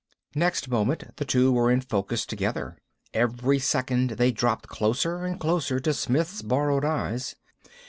Next moment the two were in focus together. Every second they dropped closer and closer to Smith's borrowed eyes.